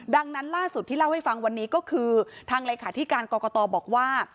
ดังนั้นล่าสุดที่เล่าให้ฟังวันนี้ก็คือทางเลขาธิการกรกตบอกว่า